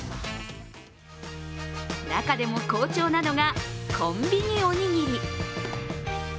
中でも好調なのがコンビニおにぎり。